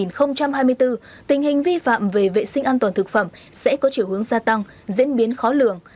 năm hai nghìn hai mươi bốn tình hình vi phạm về vệ sinh an toàn thực phẩm sẽ có chiều hướng gia tăng diễn biến khó lường